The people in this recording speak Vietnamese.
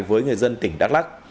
với người dân tỉnh đắk lắc